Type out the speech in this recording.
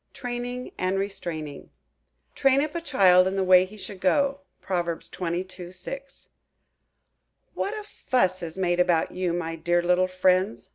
TRAINING AND RESTRAINING "Train up a child in the way he should go."–PROV. xxii. 6. "WHAT a fuss is made about you, my dear little friends!"